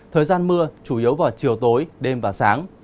thời gian mưa chủ yếu vào chiều tối đêm và sáng